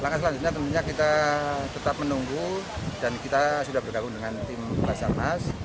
langkah selanjutnya tentunya kita tetap menunggu dan kita sudah bergabung dengan tim basarnas